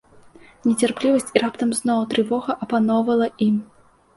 Нецярплівасць і раптам зноў трывога апаноўвала ім.